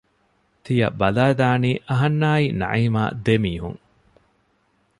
ތިޔަ ބަލައި ދާނީ އަހަންނާއި ނަޢީމާ ދެ މީހުން